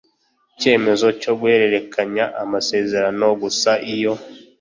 icyemezo cyo guhererekanya amasezerano gusa iyo